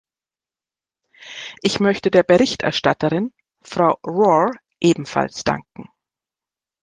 Ich möchte der Berichterstatterin, Frau Roure, ebenfalls danken.